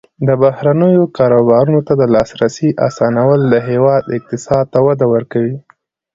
د بهرنیو کاروبارونو ته د لاسرسي اسانول د هیواد اقتصاد ته وده ورکوي.